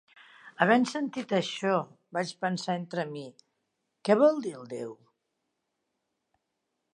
Havent sentit això vaig pensar entre mi: Què vol dir el déu?